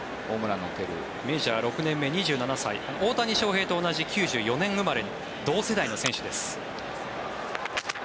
メジャー６年目大谷翔平と同じ１９９４年生まれ同世代の選手です。